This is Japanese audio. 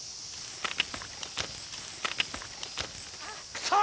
くそ！